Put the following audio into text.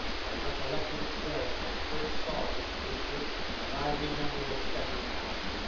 I recollected it well when I first saw this whipster; but I remember it better now.